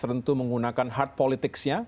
tertentu menggunakan hard politics nya